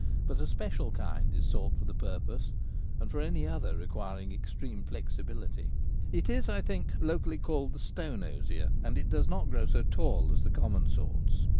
But a special kind is sought for the purpose, and for any other re quiring extreme flexibility. It is, I think, locally called the stone osier, and it does not grow so tall as the common sorts.